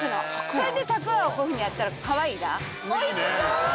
それでたくあんをこういうふうにやったらかわいいら。